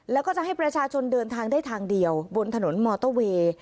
แล้วก็จะให้ประชาชนเดินทางได้ทางเดียวบนถนนมอเตอร์เวย์